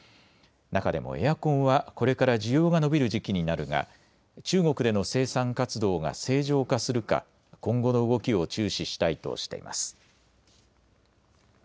中でもエアコンはこれから需要が伸びる時期になるが中国での生産活動が正常化するか、今後の動きを注視したいとしています。